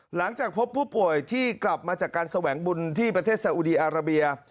หลังจากพบผู้ป่วยที่กลับมาจากการแสวงบุญที่ประเทศสาอุดีอาราเบีย